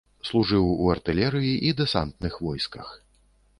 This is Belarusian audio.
Служыў у артылерыі і дэсантных войсках.